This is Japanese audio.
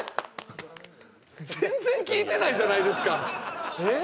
全然聞いてないじゃないですかえっ？